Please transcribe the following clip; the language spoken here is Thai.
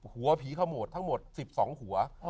หัวผีขโมดทั้งหมด๑๒หัว